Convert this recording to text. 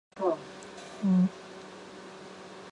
台湾的地形也是恶化台湾空气污染的重要因素。